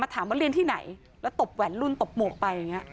ถามว่าเรียนที่ไหนแล้วตบแหวนรุ่นตบหมวกไปอย่างนี้